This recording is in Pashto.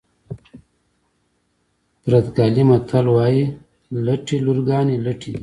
پرتګالي متل وایي لټې لورګانې لټه دي.